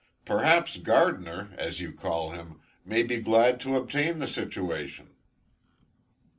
Perhaps Gardiner, as you call him, may be glad to obtain the situation."